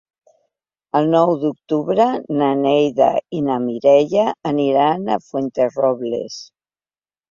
El nou d'octubre na Neida i na Mireia aniran a Fuenterrobles.